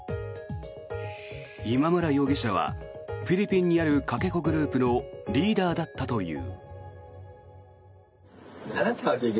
今村容疑者はフィリピンにあるかけ子グループのリーダーだったという。